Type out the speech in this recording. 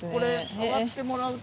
触ってもらうと。